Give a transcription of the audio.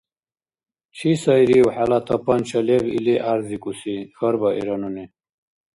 — Чи сайрив хӀела тапанча леб или гӀярзикӀуси? — хьарбаира нуни.